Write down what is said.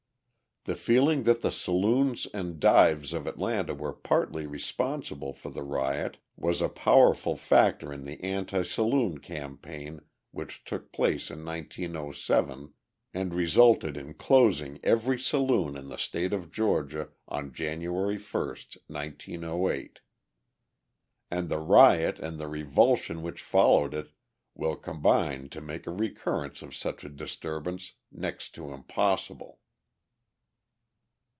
The feeling that the saloons and dives of Atlanta were partly responsible for the riot was a powerful factor in the anti saloon campaign which took place in 1907 and resulted in closing every saloon in the state of Georgia on January 1, 1908. And the riot and the revulsion which followed it will combine to make a recurrence of such a disturbance next to impossible.